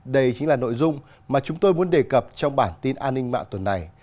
đây chính là nội dung mà chúng tôi muốn đề cập trong bản tin an ninh mạng tuần này